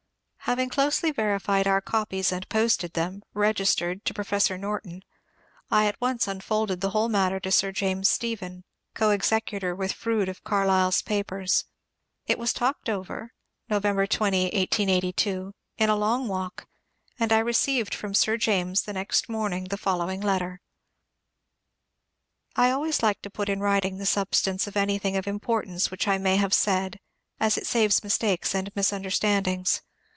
Having closely verified our copies and posted them, registered, to Professor Norton, I at once unfolded the whole matter to Sir James Stephen, — coexecutor with Froude of Carlyle's papers. It was talked over (November 20, 1882) in a long walk, and I received from Sir James the next morning the foUowing letter :— I always like to put in writing the substance of anything of importance which I may have said, as it saves mistakes and misunderstandings.